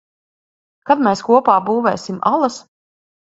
Kad mēs kopā būvēsim alas?